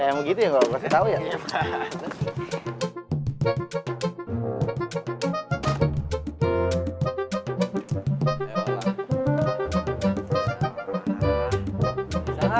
ya memang begitu ya gak apa apa